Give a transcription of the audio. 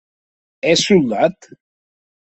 Ès soldat?